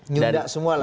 nyunda semua lah ya